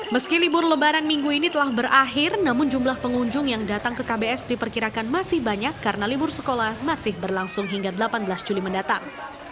meski libur lebaran minggu ini telah berakhir namun jumlah pengunjung yang datang ke kbs diperkirakan masih banyak karena libur sekolah masih berlangsung hingga delapan belas juli mendatang